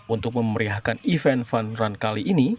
untuk memeriahkan event van ran kali ini